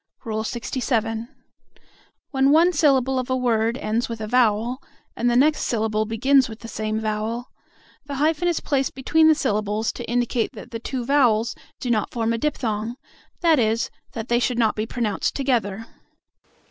LXVII. When one syllable of a word ends with a vowel, and the next syllable begins with the same vowel, the hyphen is placed between the syllables to indicate that the two vowels do not form a diphthong, that is, that they should not be pronounced together.